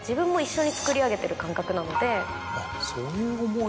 あっそういう思いで。